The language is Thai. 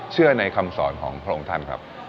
ในคำสอนของพระองค์ท่านครับ